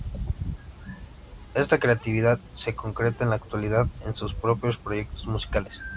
Esta creatividad se concreta en la actualidad en sus propios proyectos musicales.